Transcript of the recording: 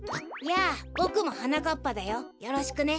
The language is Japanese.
やあボクもはなかっぱだよよろしくね。